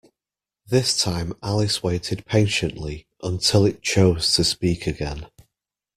This time Alice waited patiently until it chose to speak again.